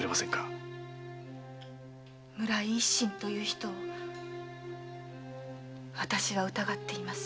村井一真という人を私は疑っています。